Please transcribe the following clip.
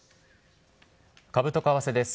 株と為替です。